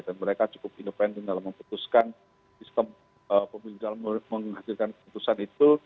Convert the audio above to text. dan mereka cukup independen dalam memutuskan sistem pemilu tahun menghadirkan putusan itu